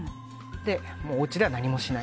もうおうちでは何もしない。